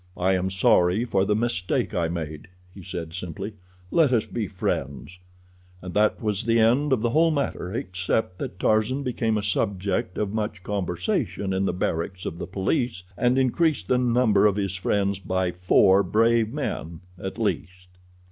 "I am sorry for the mistake I made," he said simply. "Let us be friends." And that was the end of the whole matter, except that Tarzan became a subject of much conversation in the barracks of the police, and increased the number of his friends by four brave men at least.